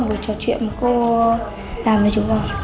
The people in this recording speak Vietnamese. bộ trò chuyện mà cô làm với chúng tôi